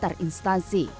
dan perusahaan terinstansi